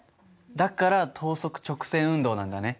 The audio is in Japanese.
だから等速直線運動なんだね。